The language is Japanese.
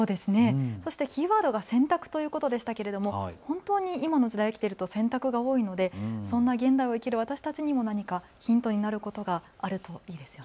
そしてキーワードは選択ということでしたけれども本当に今の時代、生きていると選択が多いのでそんな現代を生きる私たちにも何かヒントになることがあるといいですよね。